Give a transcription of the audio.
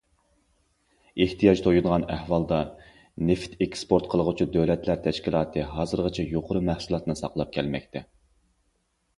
ئېھتىياج تويۇنغان ئەھۋالدا، نېفىت ئېكسپورت قىلغۇچى دۆلەتلەر تەشكىلاتى ھازىرغىچە يۇقىرى مەھسۇلاتنى ساقلاپ كەلمەكتە.